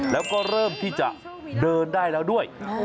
แล้วก็เริ่มที่จะเดินได้แล้วด้วย